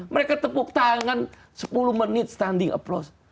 mereka tepuk tangan sepuluh menit standing aplaus